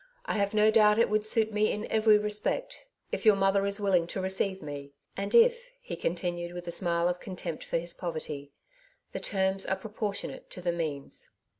" I have no doubt it would suit me in every respect, if your mother is willing to receive me ; and if," he continued, with a smile of contempt for his poverty, '^ the terms are proportionate to the means."